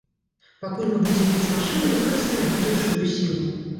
Пакуль мы будзем мець машыны, выкарыстаем гэтую жывую сілу.